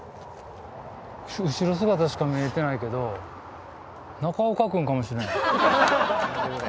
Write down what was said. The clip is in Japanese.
後ろ姿しか見えてないけど、中岡君かもしれない。